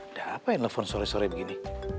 udah apa yang telepon sore sore begini